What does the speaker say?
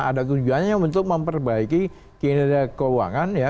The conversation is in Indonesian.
ada tujuannya untuk memperbaiki kinerja keuangan ya